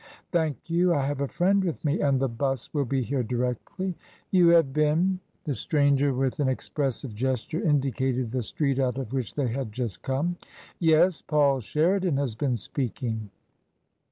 Thank you, I have a friend with me, and the 'bus will be here directly." " You have been ?" The stranger with an expressive gesture indicated the street out of which they had just come. " Yes. Paul Sheridan has been speaking."